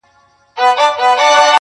د پښتون کلتور بس دا نخښه کاپي ده.